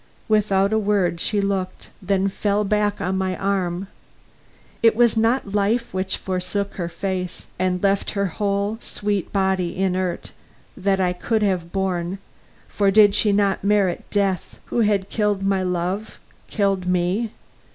Without a word she looked, then fell back on my arm. It was not life which forsook her face, and left her whole sweet body inert that I could have borne, for did she not merit death who had killed my love, killed me?